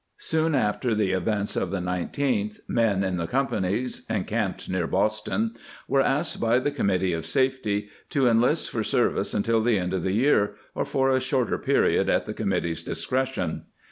^ Soon after the events of the 19th, men in the companies encamped near Boston were asked by the committee of safety to enlist for service until the end of the year, or for a shorter period at the committee's discretion.